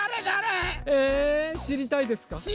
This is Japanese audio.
だれ？えしりたいですか？